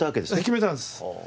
決めたんです。